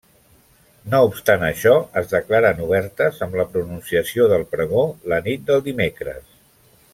No obstant això es declaren obertes amb la pronunciació del pregó, la nit del dimecres.